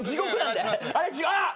あっ！